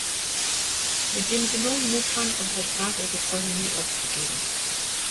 Mit dem sie neuen Mut fand und versprach ihre Träume nie aufzugeben.